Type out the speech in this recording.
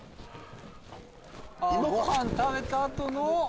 ご飯食べた後の。